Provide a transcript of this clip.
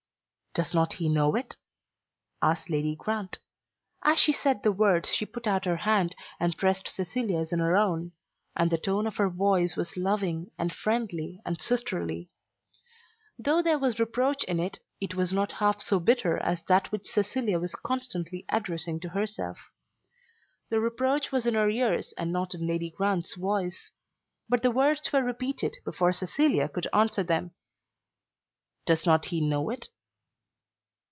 "Does not he know it?" asked Lady Grant. As she said the words she put out her hand and pressed Cecilia's in her own; and the tone of her voice was loving, and friendly, and sisterly. Though there was reproach in it, it was not half so bitter as that which Cecilia was constantly addressing to herself. The reproach was in her ears and not in Lady Grant's voice. But the words were repeated before Cecilia could answer them. "Does not he know it?"